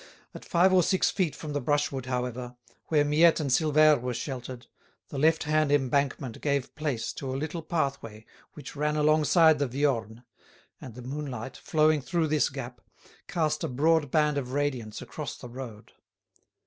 At five or six feet from the brushwood, however, where Miette and Silvère were sheltered, the left hand embankment gave place to a little pathway which ran alongside the Viorne; and the moonlight, flowing through this gap, cast a broad band of radiance across the road.